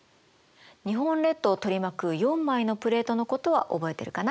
日本列島を取り巻く４枚のプレートのことは覚えてるかな？